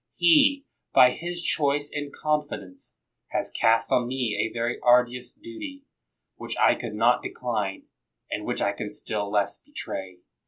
He, by his choice and confidence, has cast on me a very arduous duty, which I could not decline, and which I can still less betray.